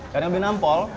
karena yang di nampol